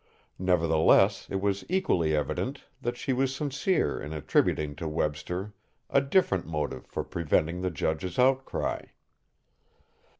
Nevertheless, it was equally evident that she was sincere in attributing to Webster a different motive for preventing the judge's outcry.